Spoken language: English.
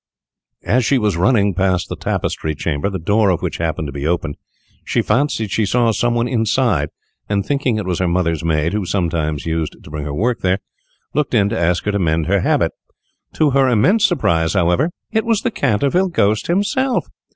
As she was running past the Tapestry Chamber, the door of which happened to be open, she fancied she saw some one inside, and thinking it was her mother's maid, who sometimes used to bring her work there, looked in to ask her to mend her habit. To her immense surprise, however, it was the Canterville Ghost himself!